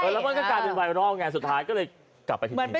แล้วมันก็กลายเป็นไวรัลไงสุดท้ายก็เลยกลับไปที่นี่